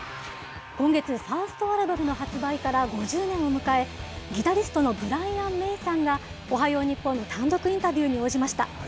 今月、ファーストアルバムの発売から５０年を迎え、ギタリストのブライアン・メイさんが、おはよう日本の単独インタビューに応じました。